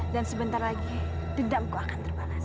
dan sebentar lagi dendamku akan terbalas